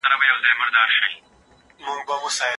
آيا انټرنټ يوازيتوب ډېروي؟